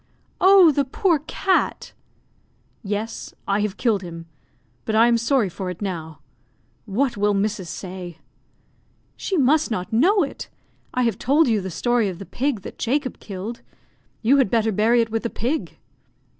"Oh, the poor cat!" "Yes, I have killed him; but I am sorry for it now. What will Mrs. say?" "She must not know it. I have told you the story of the pig that Jacob killed. You had better bury it with the pig."